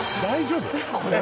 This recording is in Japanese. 大丈夫？